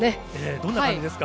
どんな感じですか？